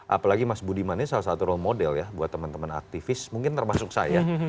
apalagi mas budiman ini salah satu role model ya buat teman teman aktivis mungkin termasuk saya